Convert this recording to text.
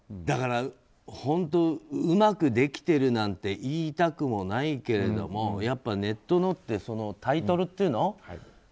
だから本当うまくできてるなんて言いたくもないけれどもやっぱりネットのってタイトルっていうの？